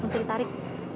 mau saya tarik